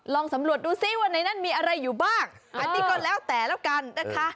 ลองสำรวจดูซิว่าในนั้นมีอะไรอยู่บ้างอันนี้ก็แล้วแต่แล้วกันนะคะ